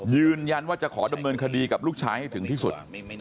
ยืนยันว่าจะขอดำเนินคดีกับลูกชายให้ถึงที่สุด